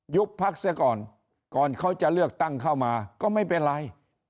พักเสียก่อนก่อนเขาจะเลือกตั้งเข้ามาก็ไม่เป็นไร